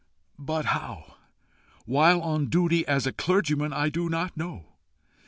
But how, while on duty as a clergyman, I DO NOT KNOW.